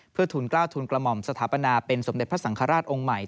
เพื่อทุนกล้าวทุนกระหม่อมสถาปนาเป็นสมเด็จพระสังฆราชองค์ใหม่